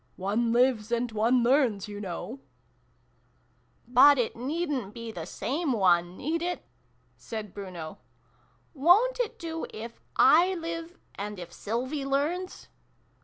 One lives and one learns, you know !"" But it needn't be the same one, need it ?" said Bruno. " Wo' n't it do, if / live, and if Sylvie learns